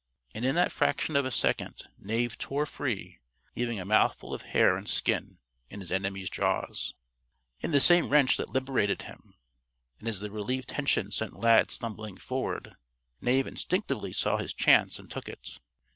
And in that fraction of a second Knave tore free, leaving a mouthful of hair and skin in his enemy's jaws. In the same wrench that liberated him and as the relieved tension sent Lad stumbling forward Knave instinctively saw his chance and took it.